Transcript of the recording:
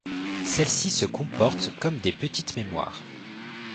Celles-ci se comportent comme des petites mémoires.